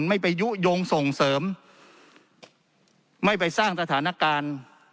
ไม่ไปยุโยงส่งเสริมไม่ไปสร้างสถานการณ์